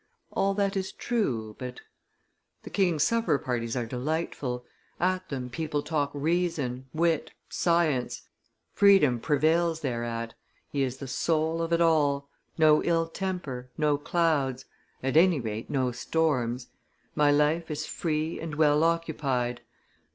All that is true ... but ... The king's supper parties are delightful; at them people talk reason, wit, science; freedom prevails thereat; he is the soul of it all; no ill temper, no clouds, at any rate no storms; my life is free and well occupied